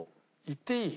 言っていい？